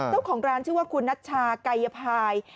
เจ้าของร้านชื่อว่าคุณนัชชากายภาย